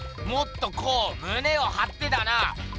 もっとこうむねをはってだな。